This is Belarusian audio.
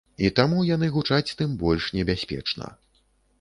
І таму яны гучаць тым больш небяспечна.